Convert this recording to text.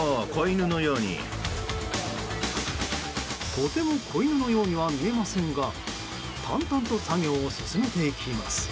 とても子犬のようには見えませんが淡々と作業を進めていきます。